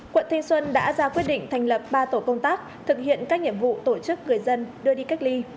quận thanh xuân đã ra quyết định thành lập ba tổ công tác thực hiện các nhiệm vụ tổ chức người dân đưa đi cách ly